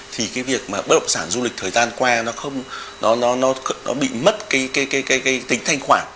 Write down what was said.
thì việc bất động sản du lịch thời gian qua nó bị mất tính thanh khoản